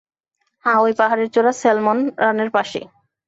হ্যাঁ, ঐ পাহাড়ের চূড়া স্যালমন রানের পাশেই।